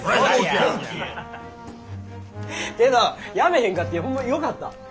けどやめへんかってホンマよかった。